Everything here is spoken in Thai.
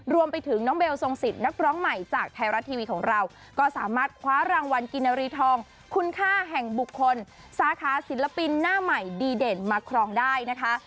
รวมไปถึงน้องเบลทรงสิทธิ์นักร้องใหม่จากไทยรัฐทีวีของเราก็สามารถคว้ารางวัลกินนารีทองคุณค่าแห่งบุคคลสาขาศิลปินหน้าใหม่ดีเด่นมาครองได้นะคะ